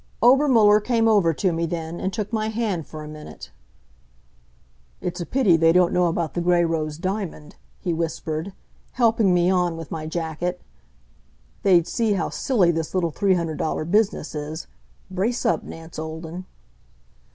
Obermuller came over to me then, and took my hand for a minute. "It's a pity they don't know about the Gray rose diamond," he whispered, helping me on with my jacket. "They'd see how silly this little three hundred dollar business is.... Brace up, Nance Olden!"